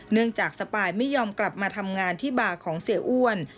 เนื่องจากสปายไม่ยอมกลับมาทำงานที่บาร์ของเสียอ้วน